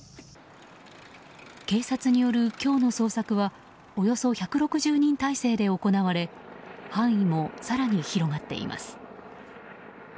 警察による今日の捜索はおよそ１６０人態勢で行われ範囲も更に広がっています。